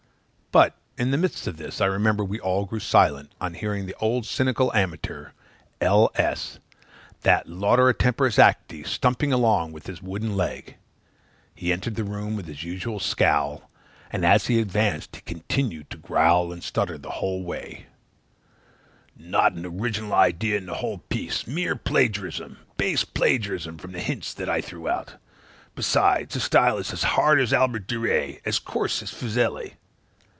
But, in the midst of this, I remember we all grew silent on hearing the old cynical amateur, L. S , that laudator temporis acti, stumping along with his wooden leg; he entered the room with his usual scowl, and, as he advanced, he continued to growl and stutter the whole way "Not an original idea in the whole piece mere plagiarism, base plagiarism from hints that I threw out! Besides, his style is as hard as Albert Durer, and as coarse as Fuseli."